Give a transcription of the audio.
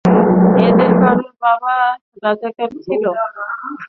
এঁদের কারও বাবা রাজাকার ছিল, কারও বাবা ছিনতাইকারী ছিল, কারও বাবা ভূমিদস্যু।